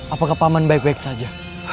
apakah pak man baik baik saja